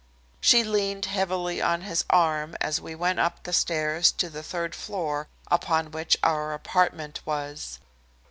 She leaned heavily on his arm as we went up the stairs to the third floor upon which our apartment was.